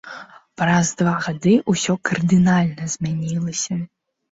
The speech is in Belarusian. Праз два гады ўсё кардынальна змянілася.